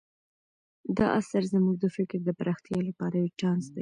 دا اثر زموږ د فکر د پراختیا لپاره یو چانس دی.